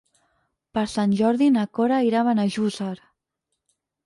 Per Sant Jordi na Cora irà a Benejússer.